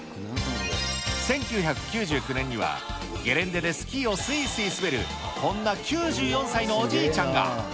１９９９年には、ゲレンデでスキーをすいすい滑るこんな９４歳のおじいちゃんが。